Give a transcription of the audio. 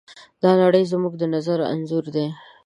دا نړۍ زموږ د نظر انځور دی.